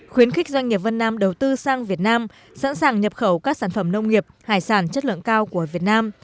khuyến khích doanh nghiệp vân nam đầu tư sang việt nam sẵn sàng nhập khẩu các sản phẩm nông nghiệp hải sản chất lượng cao của việt nam